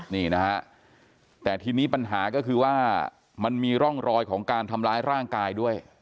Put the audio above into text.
นี่นะฮะแต่ทีนี้ปัญหาก็คือว่ามันมีร่องรอยของการทำร้ายร่างกายด้วย